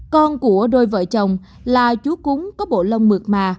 con của đôi vợ chồng là chú cúng có bộ lông mượt mà